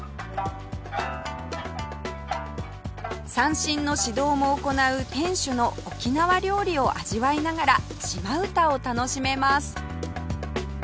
三線の指導も行う店主の沖縄料理を味わいながら島唄を楽しめます